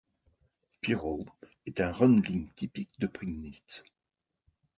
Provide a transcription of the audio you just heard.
Pirow est un rundling typique de Prignitz.